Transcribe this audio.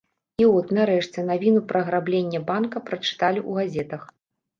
І от, нарэшце, навіну пра аграбленне банка прачыталі ў газетах.